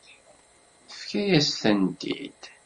Tefka-yas-tent-id.